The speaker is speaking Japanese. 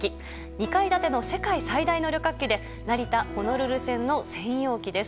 ２階建ての世界最大の旅客機で成田ホノルル線の専用機です。